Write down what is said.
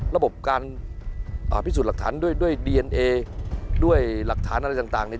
ระบบการอภิสุทธิ์หลักฐานด้วยด้วยดีเอ็นเอด้วยหลักฐานอะไรต่างต่างเนี้ย